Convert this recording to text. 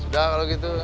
ya sudah kalau gitu